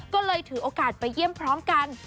ก็เลยถือโอกาสไปเยี่ยมพร้อมกัน